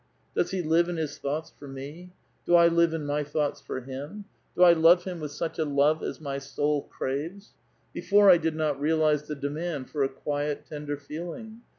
Does he live in his thoughts for me? Do I live in my thoughts for him? Do I love him with such a love as my soul craves? Before, I did not realize the demand for a quiet, tender feeling.